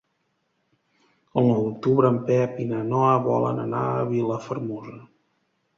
El nou d'octubre en Pep i na Noa volen anar a Vilafermosa.